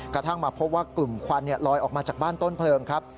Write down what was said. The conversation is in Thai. กระทั่งมาพบว่ากลุ่มควันลอยออกมาจากบ้านต้นเพลิงครับ